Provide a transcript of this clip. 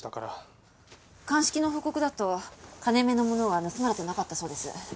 鑑識の報告だと金目のものは盗まれてなかったそうです。